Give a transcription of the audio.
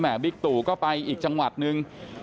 บิ๊กตู่ก็ไปอีกจังหวัดนึง